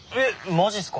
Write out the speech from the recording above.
マジっすか。